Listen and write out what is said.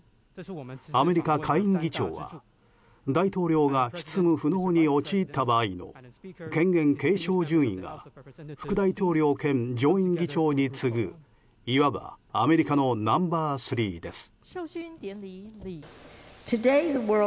アメリカ下院議長は大統領が執務不能に陥った場合の権限継承順位が副大統領兼上院議長に次ぐいわばアメリカのナンバー３です。